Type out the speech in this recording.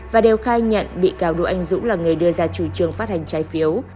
và đều khai nhận bị cáo đỗ anh dũng là người đưa ra chủ trương phát hành trái phiếu